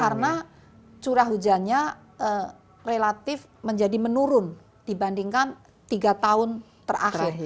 karena curah hujannya relatif menjadi menurun dibandingkan tiga tahun terakhir